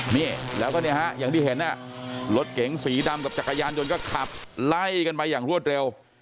นี่แล้วก็เนี่ยฮะอย่างที่เห็นรถเก๋งสีดำกับจักรยานยนต์ก็ขับไล่กันไปอย่างรวดเร็ว